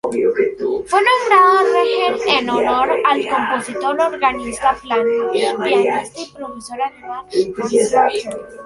Fue nombrado Reger en honor al compositor, organista, pianista y profesor alemán Max Reger.